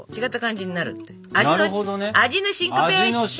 味のシンコペーション！